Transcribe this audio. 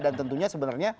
dan tentunya sebenarnya